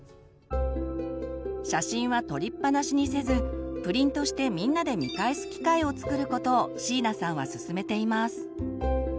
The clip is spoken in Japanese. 写真は撮りっぱなしにせずプリントしてみんなで見返す機会をつくることを椎名さんはすすめています。